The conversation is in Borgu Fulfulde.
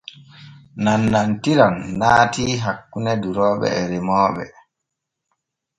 Nanantiran naatii hakkune durooɓe et remooɓe.